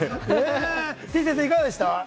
てぃ先生、いかがでした？